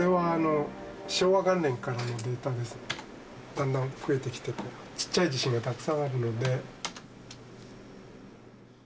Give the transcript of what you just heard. だんだん増えてきてちっちゃい地震がたくさんあるので。